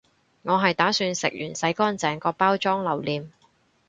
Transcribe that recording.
我係打算食完洗乾淨個包裝留念